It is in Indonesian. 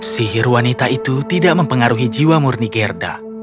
sihir wanita itu tidak mempengaruhi jiwa murni gerda